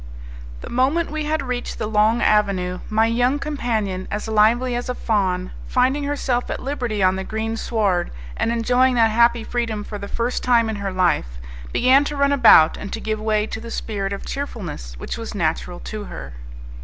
The moment we had reached the long avenue, my young companion, as lively as a fawn, finding herself at liberty on the green sward, and enjoying that happy freedom for the first time in her life, began to run about and to give way to the spirit of cheerfulness which was natural to her.